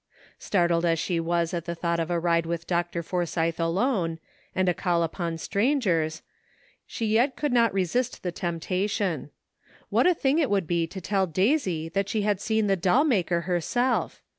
Startled as she was at the thought of a ride with Dr. Forsythe alone, and a call upon stran gers, she yet could not resist the telnptation. What a thing it would be to tell Daisy that she had seen the doll maker herself